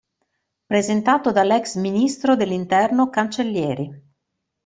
Presentato dall'ex ministro dell'interno Cancellieri.